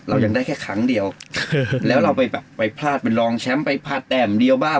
เรายังได้แค่ครั้งเดียวแล้วเราไปแบบไปพลาดเป็นรองแชมป์ไปพลาดแต้มเดียวบ้าง